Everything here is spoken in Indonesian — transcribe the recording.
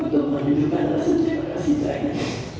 untuk menunjukkan rasa cipta sisa saya